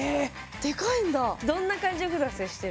でかいんだ。